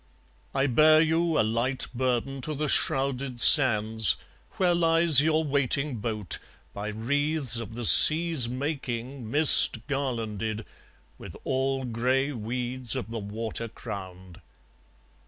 I bear you, a light burden, to the shrouded sands, Where lies your waiting boat, by wreaths of the sea's making Mist garlanded, with all grey weeds of the water crowned.